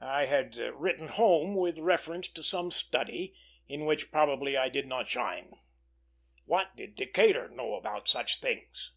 I had written home with reference to some study, in which probably I did not shine, "What did Decatur know about such things?"